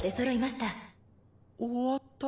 終わった？